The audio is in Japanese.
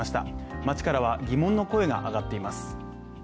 街からは疑問の声が上がっています。